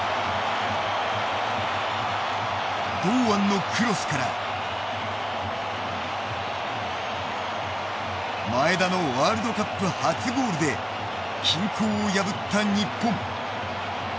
堂安のクロスから前田のワールドカップ初ゴールで均衡を破った日本。